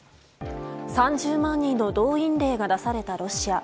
３０万人の動員令が出されたロシア。